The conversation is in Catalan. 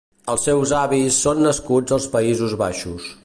Els seus avis són nascuts als Països Baixos.